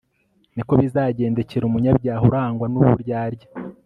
ni ko bizagendekera umunyabyaha urangwa n'uburyarya